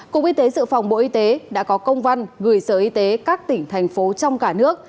cục y tế dự phòng bộ y tế đã có công văn gửi sở y tế các tỉnh thành phố trong cả nước